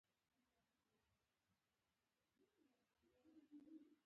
نه پر ځان اړ یو.